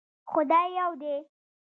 خدای يو دی